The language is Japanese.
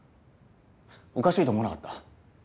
おかしいと思わなかった？